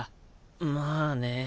まあね。